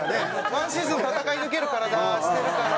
１シーズン戦い抜ける体してるから。